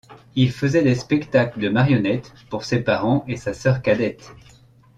Il faisait des spectacles de marionnettes pour ses parents et sa sœur cadette.